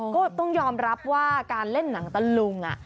ก็ต้องยอมรับว่าการเล่นหนังตะลุง